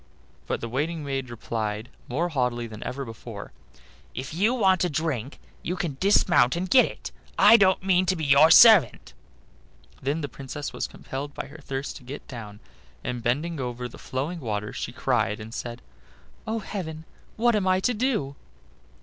But the waiting maid replied, more haughtily even than before: "If you want a drink, you can dismount and get it; I don't mean to be your servant." Then the Princess was compelled by her thirst to get down, and bending over the flowing water she cried and said: "Oh! heaven, what am I to do?"